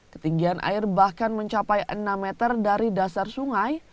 ketinggian air bahkan mencapai enam meter dari dasar sungai